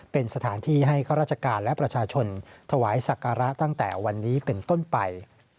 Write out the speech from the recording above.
เป็นสถานที่ให้ข้าราชการและประชาชนถวายศักระตั้งแต่วันนี้เป็นต้นไป